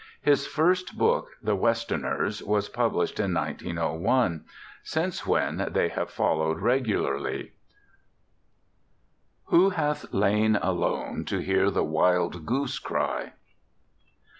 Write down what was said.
His first book, The Westerners, was published in 1901, since when they have followed regularly. _"Who hath lain alone to hear the wild goose cry?"